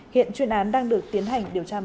hiện chuyên án đang được tiến hành điều tra mở rộng